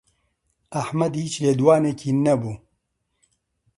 ئەحمەد هیچ لێدوانێکی نەبوو.